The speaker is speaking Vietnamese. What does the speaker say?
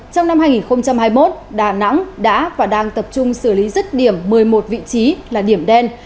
trong năm hai nghìn hai mươi một đà nẵng đã và đang tập trung xử lý rứt điểm một mươi một vị trí là điểm đen